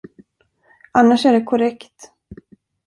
Annars är det korrekt.